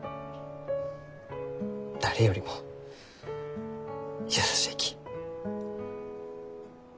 誰よりも優しいき。